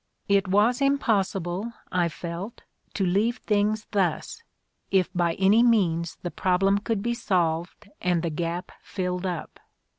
It was impossible, I felt, to leave things thus, if by any means the problem could be solved and the gap filled up.